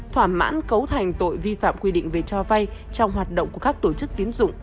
thỏa mãn cấu thành tội vi phạm quy định về cho vay trong hoạt động của các tổ chức tiến dụng